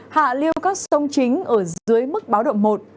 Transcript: hạ liêu các sông chính ở dưới mức báo động một